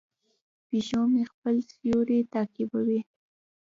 پیشو مې خپل سیوری تعقیبوي.